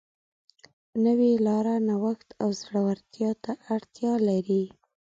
نوې لاره نوښت او زړهورتیا ته اړتیا لري.